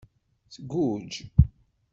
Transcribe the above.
Tgujj.